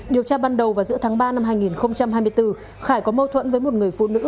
điều tra ban đầu vào giữa tháng ba năm hai nghìn hai mươi bốn khải có mâu thuẫn với một người phụ nữ